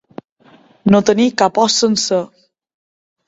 No tenir cap os sencer.